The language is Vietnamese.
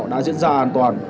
đã diễn ra an toàn